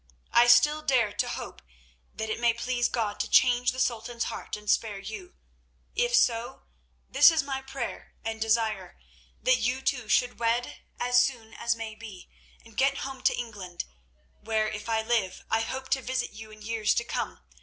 I still dare to hope that it may please God to change the Sultan's heart and spare you. If so, this is my prayer and desire—that you two should wed as soon as may be, and get home to England, where, if I live, I hope to visit you in years to come.